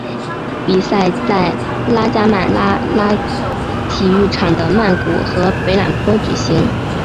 比赛在拉加曼拉拉体育场的曼谷和的北榄坡举行。